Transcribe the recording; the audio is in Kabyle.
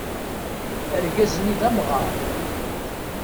Argaz-nni d amɣaṛ.